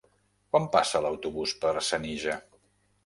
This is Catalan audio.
Quan passa l'autobús per Senija?